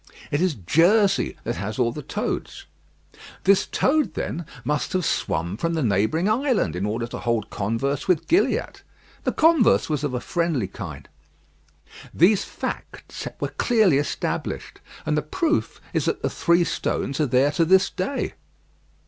It is Jersey that has all the toads. This toad, then, must have swum from the neighbouring island, in order to hold converse with Gilliatt. The converse was of a friendly kind. These facts were clearly established; and the proof is that the three stones are there to this day.